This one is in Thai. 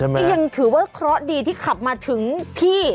ก็ยังถือว่าเคราะห์ดีที่ขับมาถึงที่